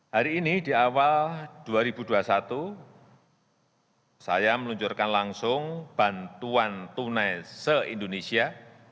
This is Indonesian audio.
hari ini di awal dua ribu dua puluh satu saya meluncurkan langsung bantuan tunai se indonesia